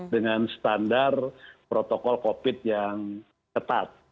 dengan standar protokol covid yang ketat